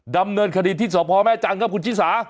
ดำเนินคดีที่สพแม่จันทร์ครับคุณชิสา